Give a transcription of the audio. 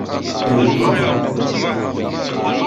Yewqem!